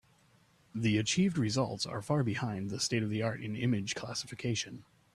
The achieved results are far behind the state-of-the-art in image classification.